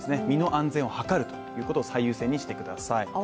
身の安全を図るということを最優先にしてください。